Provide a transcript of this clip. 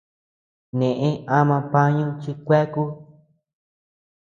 Neʼë ama pañu chi kueaku.